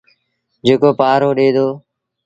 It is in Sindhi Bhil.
جيڪو پآهرو ڏي دو۔